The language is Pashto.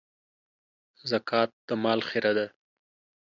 زکات د مال خيره ده.